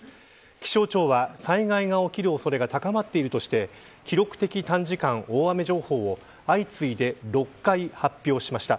気象庁は、災害が起きる恐れが高まっているとして記録的短時間大雨情報を相次いで６回発表しました。